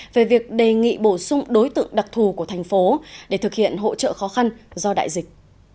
về việc đề nghị bổ sung đối tượng đặc thù của thành phố để thực hiện hỗ trợ khó khăn do đại dịch